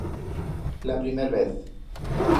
La primer vez.